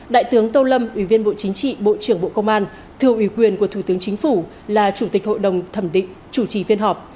đại tướng tô lâm ủy viên bộ chính trị bộ trưởng bộ công an thừa ủy quyền của thủ tướng chính phủ là chủ tịch hội đồng thẩm định chủ trì phiên họp